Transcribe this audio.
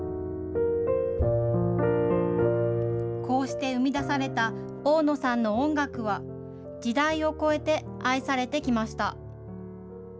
こうして生み出された大野さんの音楽は、時代を越えて愛されてきました。